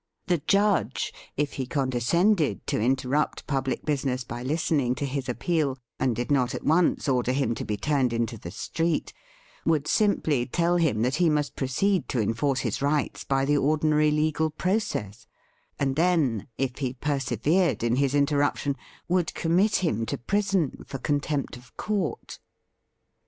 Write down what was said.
'' The judge, if he con descended to interrupt public busineae by listening to his appeal, and did not at once order him to be turned into the street, would simply tell him that he must proceed to enforce his rights by the ordinary legal process, and then, if he persevered in his interruption, would commit him to prison for contempt of court.